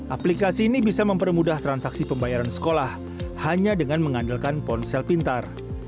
aplikasi ini bisa mempermudah transaksi pembayaran sekolah hanya dengan mengandalkan ponsel pintar